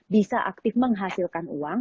bisa aktif menghasilkan uang